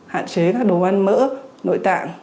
hạn chế các đồ ăn mỡ nội tạng